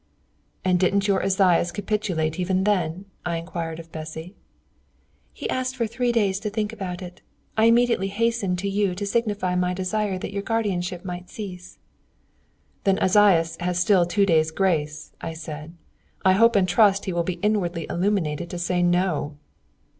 '" "And didn't your Esaias capitulate even then?" I inquired of Bessy. "He asked for three days to think about it. I immediately hastened to you to signify my desire that your guardianship might cease." "Then Esaias has still two days' grace," I said. "I hope and trust he may be inwardly illuminated to say no!"